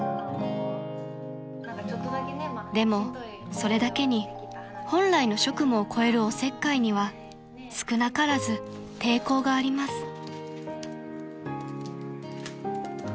［でもそれだけに本来の職務を超えるおせっかいには少なからず抵抗があります］